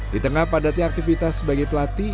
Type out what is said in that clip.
di tengah padatnya aktivitas sebagai pelatih